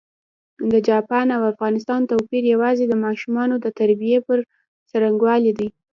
د چاپان او افغانستان توپېر یوازي د ماشومانو د تربیې پر ځرنګوالي دی.